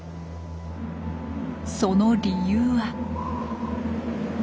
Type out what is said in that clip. その理由は。